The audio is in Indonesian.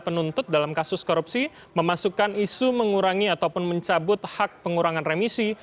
penuntut dalam kasus korupsi memasukkan isu mengurangi ataupun mencabut hak pengurangan remisi